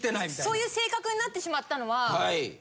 そういう性格になってしまったのは。